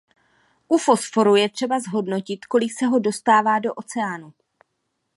U fosforu je třeba zhodnotit kolik se ho dostává do oceánu.